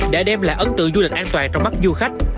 đã đem lại ấn tượng du lịch an toàn trong mắt du khách